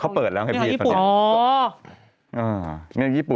เขาเปิดแล้วไงประเทศญี่ปุ่น